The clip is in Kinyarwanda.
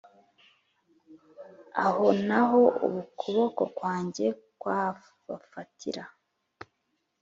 aho na ho ukuboko kwanjye kwahabafatira